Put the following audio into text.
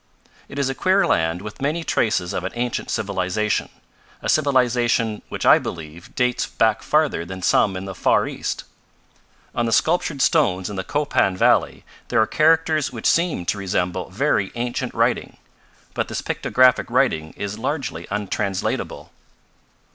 "It is a queer land with many traces of an ancient civilization, a civilization which I believe dates back farther than some in the far East. On the sculptured stones in the Copan valley there are characters which seem to resemble very ancient writing, but this pictographic writing is largely untranslatable.